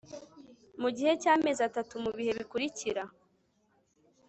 mu gihe cy'amezi atatu mu bihe bikurikira